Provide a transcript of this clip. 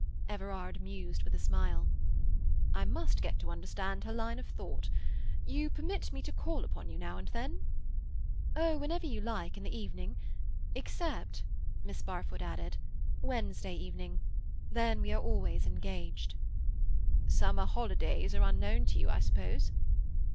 Everard mused with a smile. "I must get to understand her line of thought. You permit me to call upon you now and then?" "Oh, whenever you like, in the evening. Except," Miss Barfoot added, "Wednesday evening. Then we are always engaged." "Summer holidays are unknown to you, I suppose?"